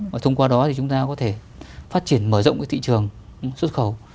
và thông qua đó thì chúng ta có thể phát triển mở rộng cái thị trường xuất khẩu